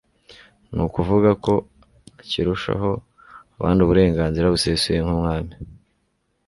ni ukuvuga ko akirushaho abandi uburenganzira busesuye nk'umwami